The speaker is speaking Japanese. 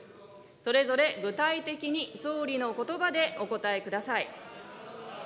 それぞれ具体的に総理のことばでお答えください。